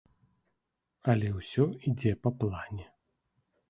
Але ўсё ідзе па плане.